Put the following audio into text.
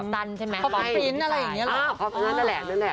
เขาปริ้นต์อะไรอย่างนี้